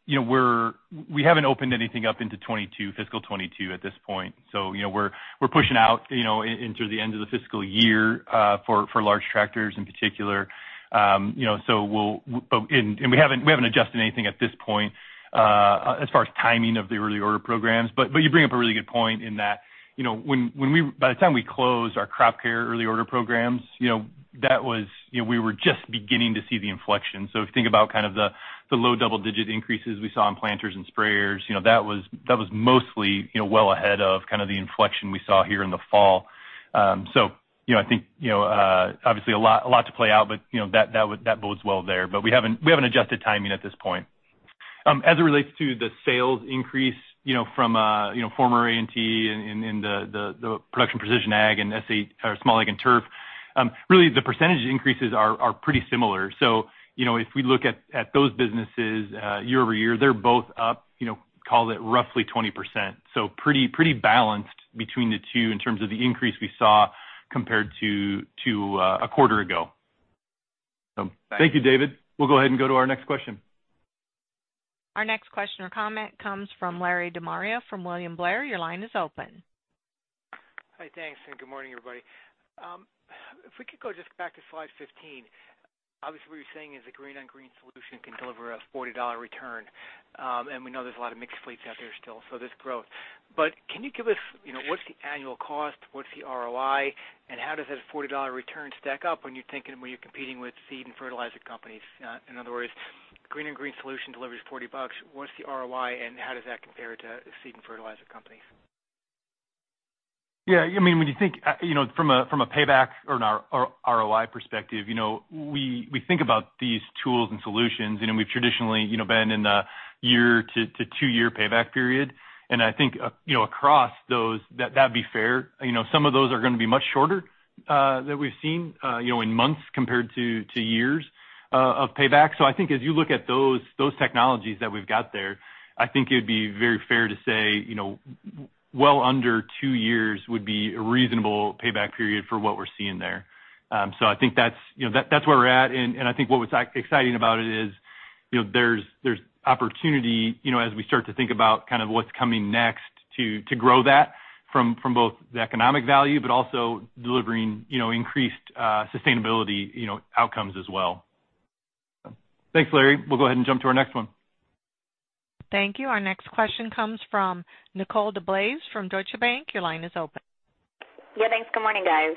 opened anything up into fiscal 2022 at this point. We're pushing out into the end of the fiscal year for large tractors in particular. We haven't adjusted anything at this point as far as timing of the early order programs. You bring up a really good point in that by the time we closed our Crop Care early order programs, we were just beginning to see the inflection. If you think about the low double-digit increases we saw in planters and sprayers, that was mostly well ahead of the inflection we saw here in the fall. I think obviously a lot to play out, but that bodes well there. We haven't adjusted timing at this point. As it relates to the sales increase from former A&T in the Production Precision Ag and Small Ag and Turf, really the percentage increases are pretty similar. If we look at those businesses year-over-year, they're both up roughly 20%. Pretty balanced between the two in terms of the increase we saw compared to a quarter ago. Thanks. Thank you, David. We'll go ahead and go to our next question. Our next question or comment comes from Larry De Maria from William Blair. Your line is open. Hi, thanks. Good morning, everybody. If we could go just back to slide 15. Obviously, what you're saying is a green-on-green solution can deliver a $40 return. We know there's a lot of mixed fleets out there still, so there's growth. Can you give us what's the annual cost, what's the ROI, and how does that $40 return stack up when you're competing with seed and fertilizer companies? In other words, green-on-green solution delivers $40. What's the ROI, and how does that compare to seed and fertilizer companies? Yeah. When you think from a payback or an ROI perspective, we think about these tools and solutions, and we've traditionally been in the year to two-year payback period. I think across those, that'd be fair. Some of those are going to be much shorter that we've seen in months compared to years of payback. I think as you look at those technologies that we've got there, I think it'd be very fair to say well under two years would be a reasonable payback period for what we're seeing there. I think that's where we're at, and I think what was exciting about it is there's opportunity as we start to think about what's coming next to grow that from both the economic value, but also delivering increased sustainability outcomes as well. Thanks, Larry. We'll go ahead and jump to our next one. Thank you. Our next question comes from Nicole DeBlase from Deutsche Bank. Your line is open. Yeah, thanks. Good morning, guys.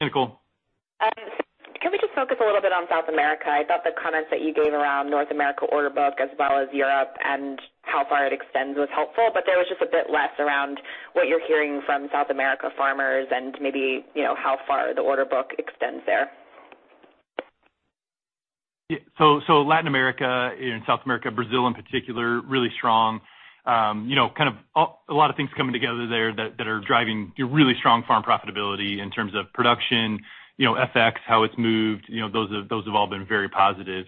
Hey, Nicole. Can we just focus a little bit on South America? I thought the comments that you gave around North America order book as well as Europe and how far it extends was helpful, but there was just a bit less around what you're hearing from South America farmers and maybe how far the order book extends there. Yeah. Latin America and South America, Brazil in particular, really strong. A lot of things coming together there that are driving really strong farm profitability in terms of production, FX, how it's moved, those have all been very positive.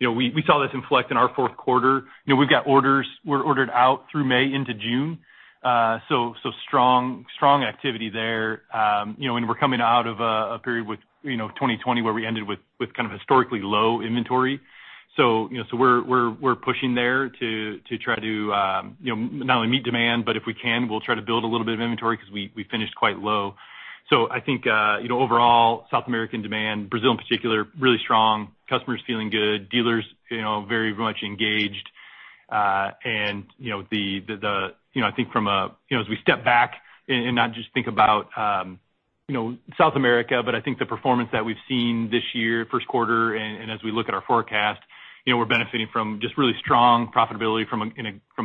We saw this inflect in our fourth quarter. We've got orders. We're ordered out through May into June. Strong activity there. We're coming out of a period with 2020 where we ended with historically low inventory. We're pushing there to try to not only meet demand, but if we can, we'll try to build a little bit of inventory because we finished quite low. I think, overall, South American demand, Brazil in particular, really strong. Customers feeling good, dealers very much engaged. I think as we step back and not just think about South America, but I think the performance that we've seen this year, first quarter, and as we look at our forecast, we're benefiting from just really strong profitability from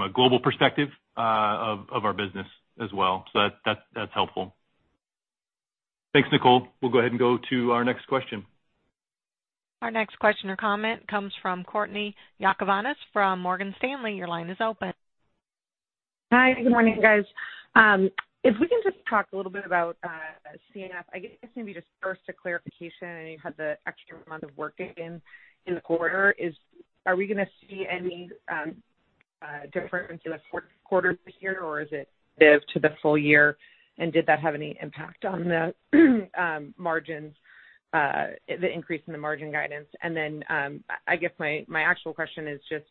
a global perspective of our business as well. That's helpful. Thanks, Nicole. We'll go ahead and go to our next question. Our next question or comment comes from Courtney Yakavonis from Morgan Stanley. Your line is open. Hi. Good morning, guys. We can just talk a little bit about C&F. I guess maybe just first a clarification, I know you had the extra month of Wirtgen in the quarter. Are we going to see any difference in the fourth quarter for here, or is it div to the full year, and did that have any impact on the margins, the increase in the margin guidance? I guess my actual question is just,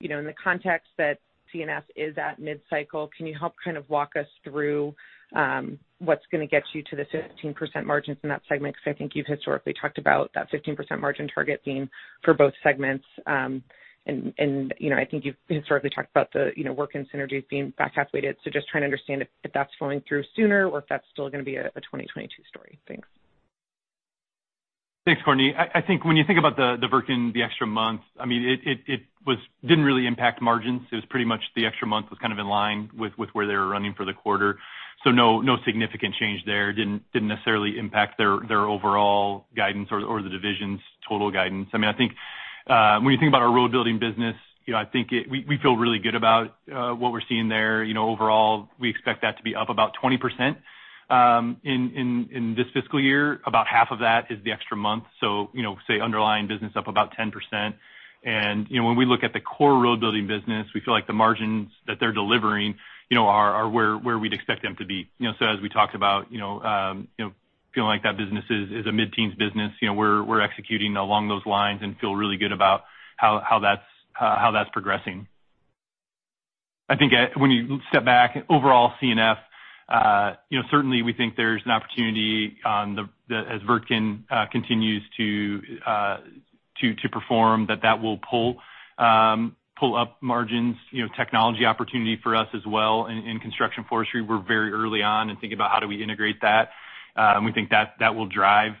in the context that C&F is at mid-cycle, can you help walk us through what's going to get you to the 15% margins in that segment? I think you've historically talked about that 15% margin target being for both segments. I think you've historically talked about the Wirtgen synergies being back half-weighted. Just trying to understand if that's flowing through sooner or if that's still going to be a 2022 story. Thanks. Thanks, Courtney. I think when you think about the Wirtgen, the extra month, it didn't really impact margins. It was pretty much the extra month was kind of in line with where they were running for the quarter. No significant change there. Didn't necessarily impact their overall guidance or the division's total guidance. I think when you think about our road building business, we feel really good about what we're seeing there. Overall, we expect that to be up about 20% in this fiscal year. About half of that is the extra month. Say underlying business up about 10%. When we look at the core road building business, we feel like the margins that they're delivering are where we'd expect them to be. As we talked about feeling like that business is a mid-teens business. We're executing along those lines and feel really good about how that's progressing. I think when you step back, overall C&F, certainly we think there's an opportunity as Wirtgen continues to perform, that that will pull up margins. Technology opportunity for us as well Construction and Forestry. we're very early on in thinking about how do we integrate that. We think that will drive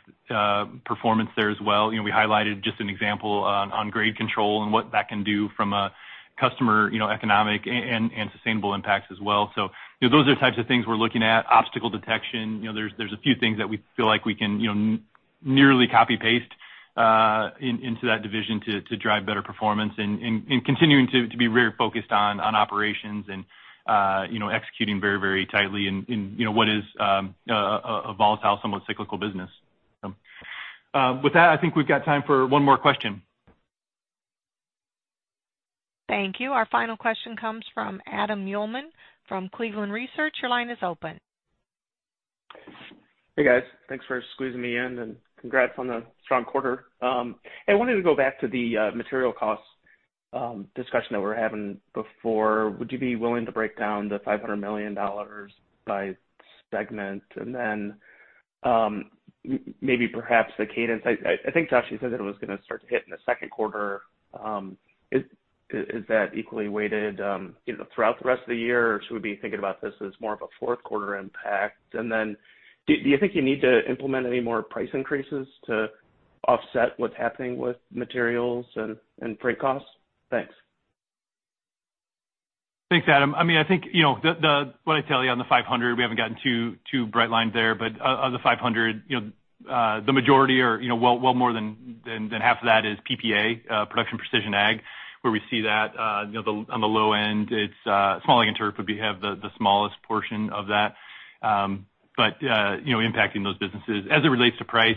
performance there as well. We highlighted just an example on grade control and what that can do from a customer economic and sustainable impacts as well. Those are the types of things we're looking at. Obstacle detection. There's a few things that we feel like we can nearly copy-paste into that division to drive better performance and continuing to be very focused on operations and executing very tightly in what is a volatile, somewhat cyclical business. With that, I think we've got time for one more question. Thank you. Our final question comes from Adam Uhlman from Cleveland Research Company. Your line is open. Hey, guys. Thanks for squeezing me in, and congrats on the strong quarter. Hey, I wanted to go back to the material cost discussion that we were having before. Would you be willing to break down the $500 million by segment? Maybe perhaps the cadence. I think Josh said that it was going to start to hit in the second quarter. Is that equally weighted throughout the rest of the year, or should we be thinking about this as more of a fourth quarter impact? Do you think you need to implement any more price increases to offset what's happening with materials and freight costs? Thanks. Thanks, Adam. I think what I tell you on the 500, we haven't gotten too bright lines there. Of the 500, the majority or well more than half of that is PPA, Production and Precision Agriculture, where we see that on the low end. Small Ag and Turf would be the smallest portion of that. Impacting those businesses. As it relates to price,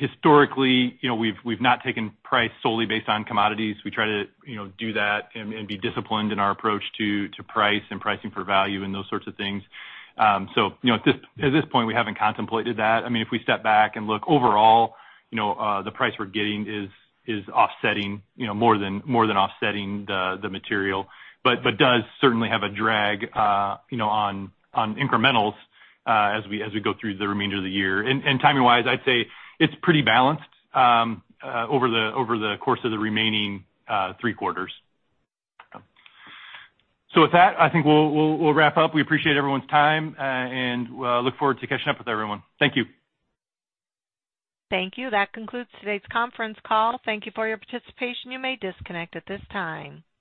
historically we've not taken price solely based on commodities. We try to do that and be disciplined in our approach to price and pricing for value and those sorts of things. At this point, we haven't contemplated that. If we step back and look overall, the price we're getting is more than offsetting the material, but does certainly have a drag on incrementals as we go through the remainder of the year. Timing-wise, I'd say it's pretty balanced over the course of the remaining three quarters. With that, I think we'll wrap up. We appreciate everyone's time and look forward to catching up with everyone. Thank you. Thank you. That concludes today's conference call. Thank you for your participation. You may disconnect at this time.